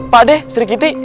pak deh serikiti